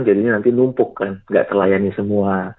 jadinya nanti numpuk kan nggak terlayani semua